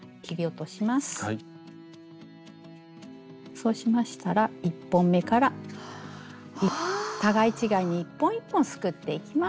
そうしましたら１本目から互い違いに一本一本すくっていきます。